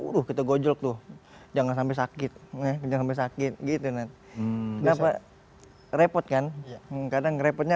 udah kita gojok tuh jangan sampai sakit nih jangan sakit gitu nen kenapa repot kan kadang repotnya